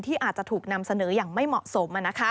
อาจจะถูกนำเสนออย่างไม่เหมาะสม